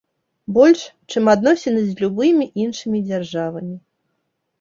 Больш, чым адносіны з любымі іншымі дзяржавамі.